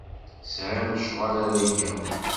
Sɛiɣ lecɣal ara geɣ.